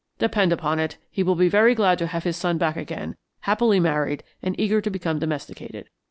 Depend upon it, he will be very glad to have his son back again, happily married, and eager to become domesticated.